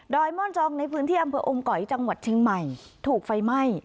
ม่อนจองในพื้นที่อำเภออมก๋อยจังหวัดเชียงใหม่ถูกไฟไหม้